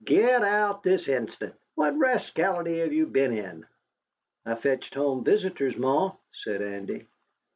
"Git out this instant. What rascality have you been in?" "I fetched home visitors, Ma," said Andy.